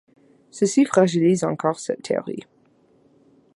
Ceci fragilise encore cette théorie.